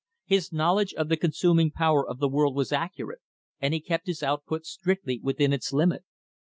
His knowledge of the consuming power of the world was accurate, and he kept his output strictly within its limit.